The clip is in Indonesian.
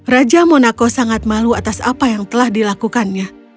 raja monaco sangat malu atas apa yang telah dilakukannya